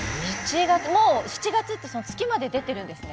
もう７月って月まで出てるんですね